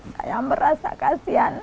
saya merasa kasihan